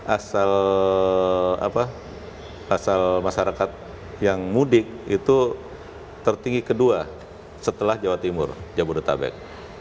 asal masyarakat yang mudik itu tertinggi kedua setelah jawa timur jabodetabek